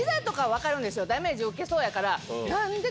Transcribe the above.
ダメージ受けそうやから。